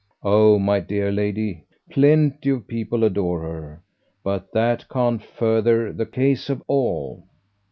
"Oh, my dear lady, plenty of people adore her. But that can't further the case of ALL."